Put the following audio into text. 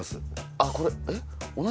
あっこれえっ？